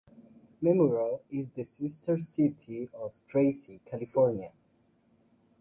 Memuro is the sister city of Tracy, California.